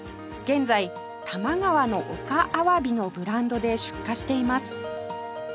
現在「玉川の丘アワビ」のブランドで出荷しています